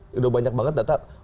sudah banyak banget data